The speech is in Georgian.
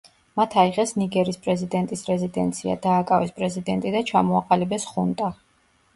მათ აიღეს ნიგერის პრეზიდენტის რეზიდენცია, დააკავეს პრეზიდენტი და ჩამოაყალიბეს ხუნტა.